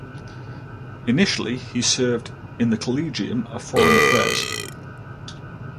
Initially he served in the Collegium of Foreign Affairs.